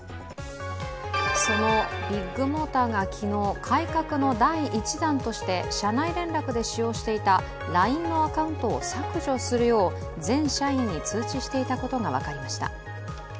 そのビッグモーターが昨日改革の第一弾として社内連絡で使用していたＬＩＮＥのアカウントを削除するよう全社員に通知していたことが分かりました。